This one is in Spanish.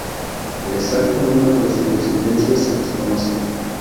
El exacto número de su descendencia se desconoce.